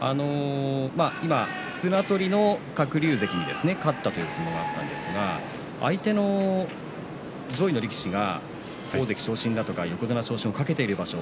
今、綱取りの鶴竜関に勝ったという相撲があったんですが相手の上位の力士が大関昇進だとか横綱昇進を懸けている場所